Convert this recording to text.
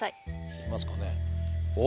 いますかね？